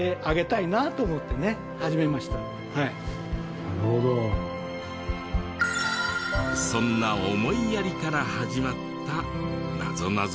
そんな思いやりから始まったなぞなぞだった。